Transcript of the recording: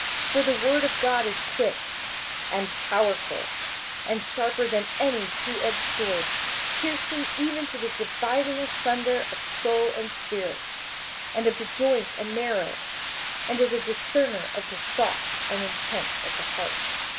58:004:012 For the word of God is quick, and powerful, and sharper than any twoedged sword, piercing even to the dividing asunder of soul and spirit, and of the joints and marrow, and is a discerner of the thoughts and intents of the heart.